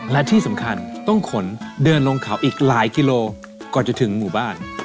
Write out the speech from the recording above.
และที่สำคัญต้องขนเดินลงเขาอีกหลายกิโลก่อนจะถึงหมู่บ้าน